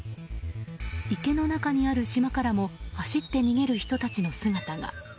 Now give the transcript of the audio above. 池の中にある島からも走って逃げる人の姿が。